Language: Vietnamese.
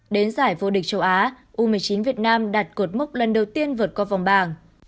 đến giải vô địch châu á u một mươi chín việt nam đặt cột mốc lần đầu tiên vượt qua vòng bảng